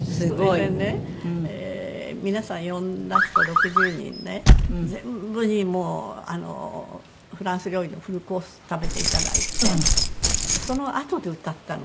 すごい！それでね皆さん呼んだ人６０人ね全部にもうフランス料理のフルコース食べていただいてそのあとで歌ったの。